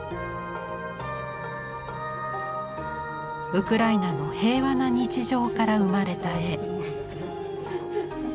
ウクライナの平和な日常から生まれた絵。